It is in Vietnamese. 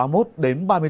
có nơi còn cao hơn